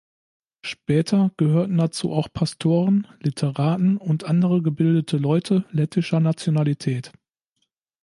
Später gehörten dazu auch Pastoren, Literaten und andere gebildete Leute lettischer Nationalität.